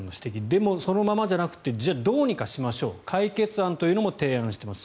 でも、そのままじゃなくてどうにかしましょうという解決案も提示しています。